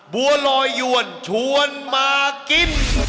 บัวลอยยวนชวนมากิน